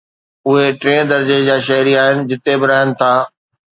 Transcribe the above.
اهي ٽئين درجي جا شهري آهن جتي به رهن ٿا